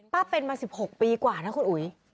เป็นมา๑๖ปีกว่านะคุณอุ๋ย